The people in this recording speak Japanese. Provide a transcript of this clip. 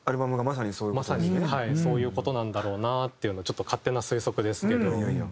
そういう事なんだろうなっていうのをちょっと勝手な推測ですけど。